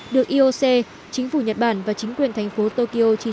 được ioc chính phủ nhật bản và chính quyền thành phố tokyo chi trả